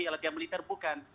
latihan militer bukan